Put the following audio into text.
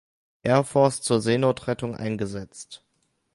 Air Force zur Seenotrettung eingesetzt.